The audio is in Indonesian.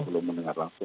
belum mendengar langsung